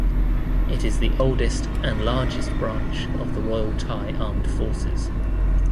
It is the oldest and largest branch of the Royal Thai Armed Forces.